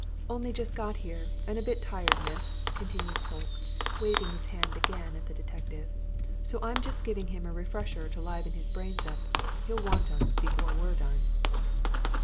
"Only just got here, and a bit tired, miss," continued Polke, waving his hand again at the detective. "So I'm just giving him a refresher to liven his brains up. He'll want 'em before we've done."